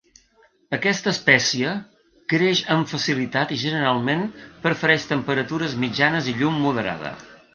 Aquesta espècie creix amb facilitat i generalment prefereix temperatures mitjanes i llum moderada.